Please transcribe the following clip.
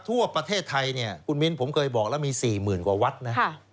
ทั่วประเทศไทยเนี่ยคุณมิ้นผมเคยบอกแล้วมี๔๐๐๐กว่าวัดนะ